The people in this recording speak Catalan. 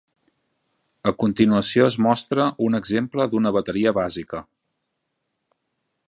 A continuació es mostra un exemple d'una bateria bàsica.